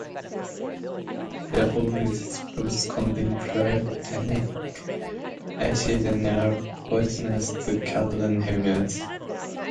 The foliage and fruits contain tannic acid and are poisonous to cattle and humans.